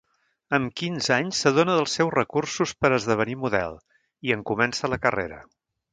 Amb quinze anys s'adona dels seus recursos per esdevenir model, i en comença la carrera.